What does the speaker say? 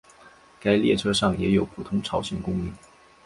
该列车上也有普通朝鲜公民。